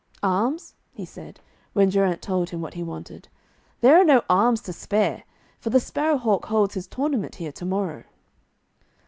'Arms?' he said, when Geraint told him what he wanted. 'There are no arms to spare, for the Sparrow hawk holds his tournament here to morrow.'